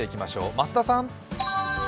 増田さん。